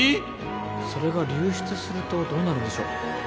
それが流出するとどうなるんでしょう？